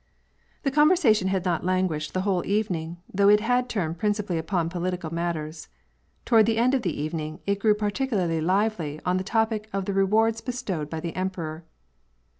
The conversation had not languished the whole evening, though it had turned principally on political matters. Toward the end of the evening, it grew particularly lively on the topic of the rewards bestowed by the emperor.